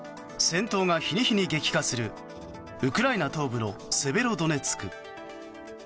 戦闘が日に日に激化するウクライナ東部のセベロドネツク。